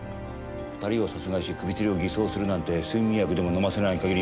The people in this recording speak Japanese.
２人を殺害して首つりを偽装するなんて睡眠薬でも飲ませない限り不可能だ。